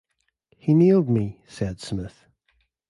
"He nailed me," said Smith.